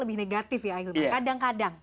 lebih negatif ya ahilman kadang kadang